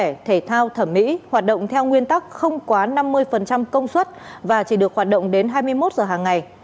các dịch vụ được phép hoạt động theo nguyên tắc không quá năm mươi công suất và chỉ được hoạt động đến hai mươi một giờ hàng ngày